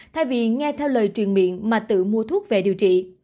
thay vì nghe theo lời truyền miệng mà tự mua thuốc về điều trị